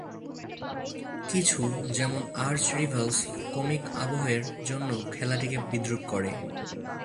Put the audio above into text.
কিছু, যেমন "Arch Rivals", comic আবহের জন্য খেলাটিকে বিদ্রূপ করে।